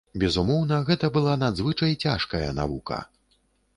Безумоўна, гэта была надзвычай цяжкая навука.